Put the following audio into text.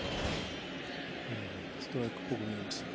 ストライクっぽく見えましたね。